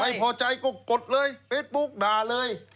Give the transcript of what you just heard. ไม่พอใจก็กดเลยเฟซบุ๊กด่าเลย